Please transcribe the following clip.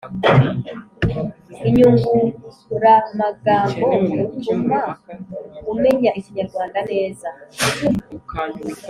inyunguramagambo butuma umenya ikinyarwanda neza